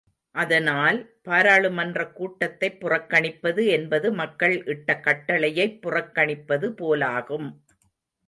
அதனால் பாராளுமன்றக் கூட்டத்தைப் புறக்கணிப்பது என்பது மக்கள் இட்ட கட்டளையைப் புறக்கணிப்பது போலாகும்.